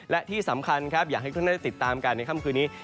และที่สำคัญครับอยากให้ทุกท่านได้ติดตามกันในค่ำคืนนี้